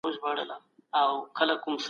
څه ډول تګلاري ټولنیز عدالت راولي؟